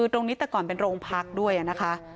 ตรงนี้แต่ก่อนเป็นโรงพักด้วยนะคะ